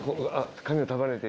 髪を束ねて。